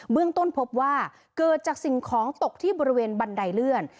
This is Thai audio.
เมืองต้นพบว่าเกิดจากสิ่งของตกที่บริเวณบันไดเลื่อน